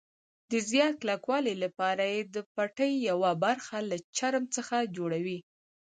د زیات کلکوالي لپاره یې د پټۍ یوه برخه له چرم څخه جوړوي.